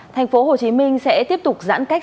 thành phố hồ chí minh sẽ tiếp tục giãn cách